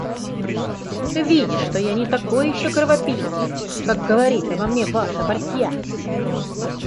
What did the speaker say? Ты видишь, что я не такой еще кровопийца, как говорит обо мне ваша братья.